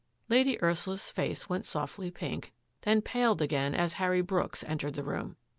Lady Ursula's face went softly pink, then paled again as Harry Brooks entered the room.